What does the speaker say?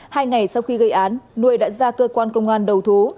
hai ngày sau khi gây án nuôi đã ra cơ quan công an đầu thú